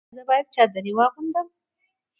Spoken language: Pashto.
ایا زه باید چادري واغوندم؟